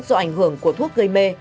do ảnh hưởng của thuốc gây mê